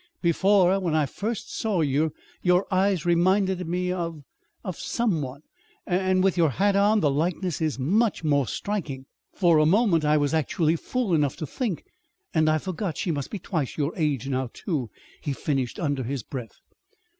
Before, when I first saw you, your eyes reminded me of of some one, and with your hat on the likeness is much more striking. For a moment I was actually fool enough to think and I forgot she must be twice your age now, too," he finished under his breath.